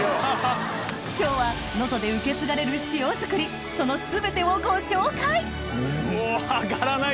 今日は能登で受け継がれる塩作りその全てをご紹介上がらない。